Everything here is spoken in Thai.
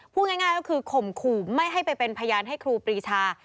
พูดง่ายก็คือข่มขู่ไม่ให้ไปเป็นพยานให้ครูปรีชา